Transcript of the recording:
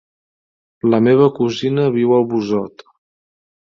La meva cosina viu a Busot.